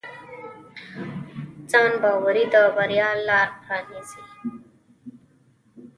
ځانباوري د بریا لاره پرانیزي.